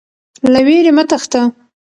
له ویرې مه تښته.